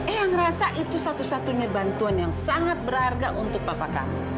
eang merasa itu satu satunya bantuan yang sangat berharga untuk papa kamu